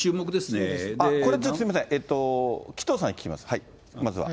これすみません、紀藤さんに聞きます、まずは。